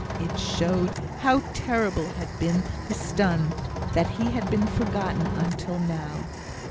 It showed how terrible had been the stun, that he had been forgotten until now.